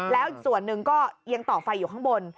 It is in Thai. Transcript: แล้วส่วนหนึ่งก็ยังต่อไฟอยู่ข้างบน